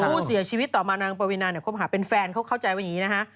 ผู้เสียชีวิตต่อมานางปวีนาเนี่ยคบหาเป็นแฟนเขาเข้าใจว่าอย่างนี้นะฮะ